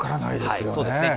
そうですよね。